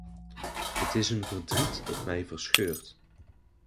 Het is een verdriet dat mij verscheurt.